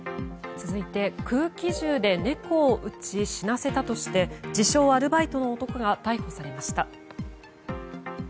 続いて、空気銃で猫を撃ち死なせたとして自称アルバイトの男が逮捕されました。